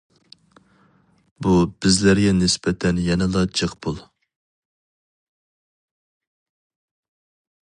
بۇ بىزلەرگە نىسبەتەن يەنىلا جىق پۇل.